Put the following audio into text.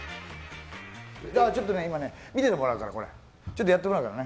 ちょっとね、今ね、見ててもらうから、やってもらうからね。